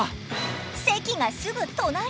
席がすぐ隣！